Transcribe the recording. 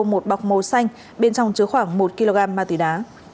một bọc màu xanh bên trong chứa khoảng một kg ma túy đá